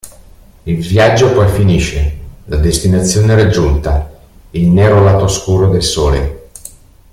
Il viaggio poi finisce, la destinazione è raggiunta: il nero lato oscuro del sole.